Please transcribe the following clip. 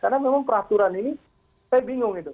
karena memang peraturan ini saya bingung itu